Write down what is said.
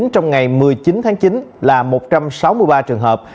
trong ngày một mươi chín tháng chín là một trăm sáu mươi ba trường hợp